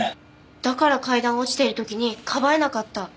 だから階段を落ちてる時にかばえなかった。